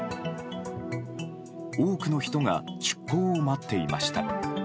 多くの人が出港を待っていました。